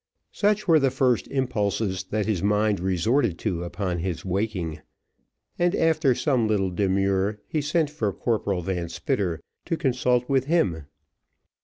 Such were the first impulses that his mind resorted to upon his awaking, and after some little demur, he sent for Corporal Van Spitter, to consult with him.